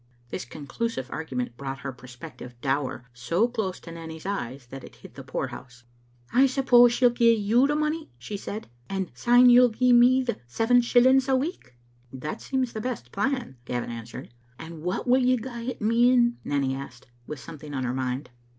" This conclusive argument brought her prospective dower so close to Nanny's eyes that it hid the poorhouse. " I suppose she'll gie you the money," she said, "and syne you'll gie me the seven shillings a week?" "That seems the best plan," Gavin answered. " And what will you gie it me in?" Nanny asked, with something on her mind.